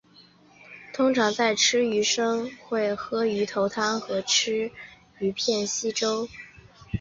通常在吃鱼生会喝鱼头汤和吃鱼片稀粥。